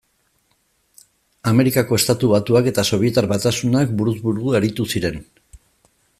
Amerikako Estatu Batuak eta Sobietar Batasunak buruz buru aritu ziren.